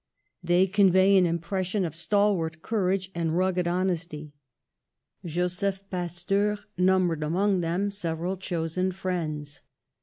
They convey an impression of stalwart courage and rugged honesty. Joseph Pasteur numbered among them several chosen friends.